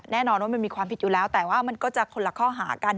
แน่นอนว่ามันมีความผิดอยู่แล้วแต่ว่ามันก็จะคนละข้อหากัน